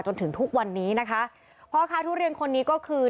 จนถึงทุกวันนี้นะคะพ่อค้าทุเรียนคนนี้ก็คือ